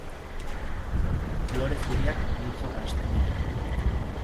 Lore zuriak multzoka hasten dira.